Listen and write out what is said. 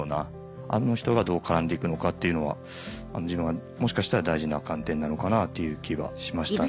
あの人がどう絡んでいくのかっていうのは自分はもしかしたら大事な観点なのかなっていう気はしました。